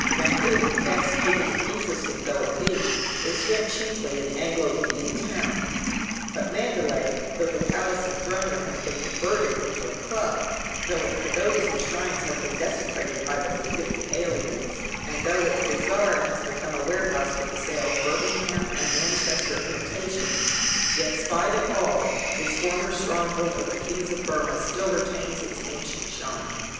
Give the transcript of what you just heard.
Rangoon, fascinating and interesting though it be, is yet chiefly an Anglo Indian town, but Mandalay, though the Palace and Throne room have been converted into a club, though its Pagodas and shrines have been desecrated by the feet of the alien, and though its bazaar has become a warehouse for the sale of Birmingham and Manchester imitations, yet, spite of all, this former stronghold of the Kings of Burmah still retains its ancient charm.